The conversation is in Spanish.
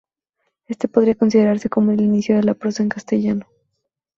Éste podría considerarse como el inicio de la prosa en castellano.